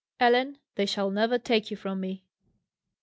"Ellen! they shall never take you from me!"